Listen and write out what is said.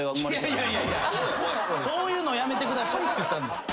そういうのやめてくださいって言ったんです。